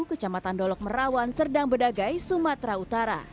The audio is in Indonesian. kecamatan dolok merawan serdang bedagai sumatera utara